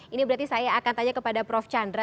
ini berarti saya akan tanya kepada prof chandra